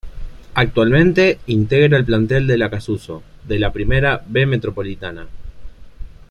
Actualmente integra el plantel del Acassuso, de la Primera B Metropolitana.